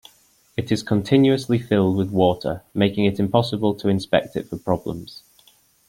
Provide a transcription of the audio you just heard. It is continuously filled with water, making it impossible to inspect it for problems.